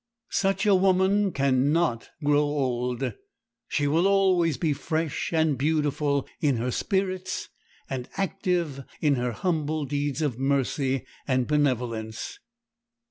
Such a woman can not grow old; she will always be fresh and beautiful in her spirits and active in her humble deeds of mercy and benevolence.